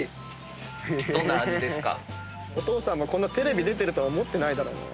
「お父さんもこんなテレビ出てるとは思ってないだろうね」